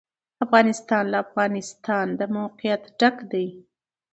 افغانستان له د افغانستان د موقعیت ډک دی.